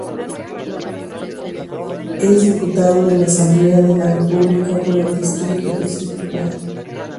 Es diputado de la Asamblea de la República por el distrito de Setúbal.